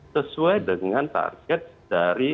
sesuai dengan target dari